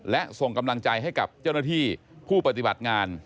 และส่งกำลังใจให้กับเจ้าหน้าที่ผู้ปฏิบัติงาน